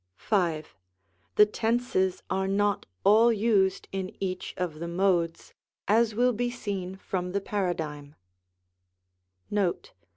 5. The Tenses are not all used in each of the Modes, as will be seen from the Paradigm. Note.